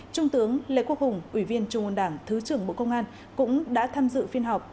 trung tướng lê quốc hùng ủy viên trung ương đảng thứ trưởng bộ công an cũng đã tham dự phiên họp